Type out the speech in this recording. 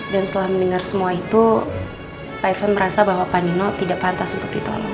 dan setelah mendengar semua itu pak irvan merasa bahwa pak nino tidak pantas untuk ditolong